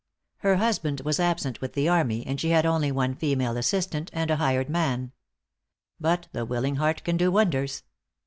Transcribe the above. Her husband was absent with the army, and she had only one female assistant and a hired man. But the willing heart can do wonders.